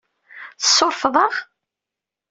Tsurfeḍ-aɣ?